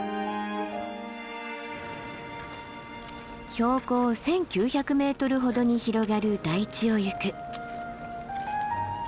標高１，９００ｍほどに広がる台地をゆく。